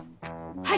はい！